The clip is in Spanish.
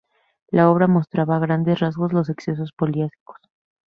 La obra mostraba a grandes rasgos los excesos policíacos.